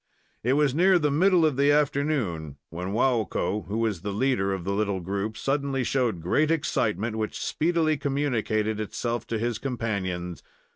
It was near the middle of the afternoon, when Waukko, who was the leader of the little group, suddenly showed great excitement, which speedily communicated itself to his companions.